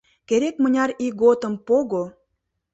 Керек-мыняр ийготым пого